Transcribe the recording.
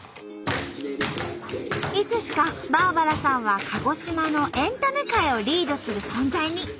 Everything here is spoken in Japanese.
いつしかバーバラさんは鹿児島のエンタメ界をリードする存在に。